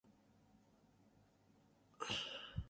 This was implemented by his successor, James Whiteside McCay.